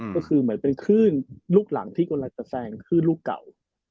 เหมือนเป็นคู้นลูกหลังที่ก่อนลักษณ์แสงคือลูกเก่า